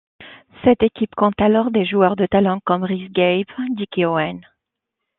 Cette équipe compte alors des joueurs de talent comme Rhys Gabe, Dicky Owen.